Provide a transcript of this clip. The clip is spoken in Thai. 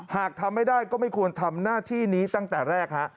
หากทำไม่ได้ก็ไม่ควรทำหน้าที่นี้ตั้งแต่แรกฮะ